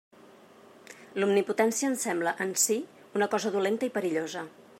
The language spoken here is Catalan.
L'omnipotència em sembla en si una cosa dolenta i perillosa.